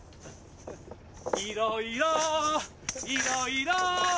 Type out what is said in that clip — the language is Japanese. いろいろいろいろ